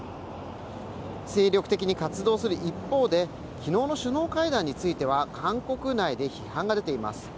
精力的に活動する一方で、昨日の首脳会談については、韓国内で批判が出ています。